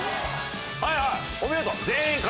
はいはいお見事！